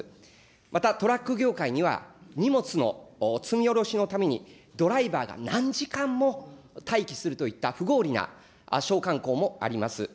また、トラック業界には荷物の積み下ろしのために、ドライバーが何時間も待機するといった不合理な商慣行もあります。